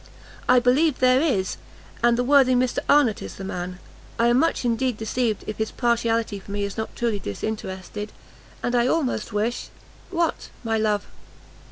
"I believe there is, and the worthy Mr Arnott is the man; I am much indeed deceived, if his partiality for me is not truly disinterested, and I almost wish" "What, my love?"